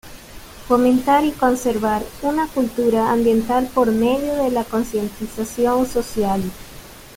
Fomentar y conservar una cultura ambiental por medio de la concientización social.